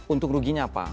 untung ruginya apa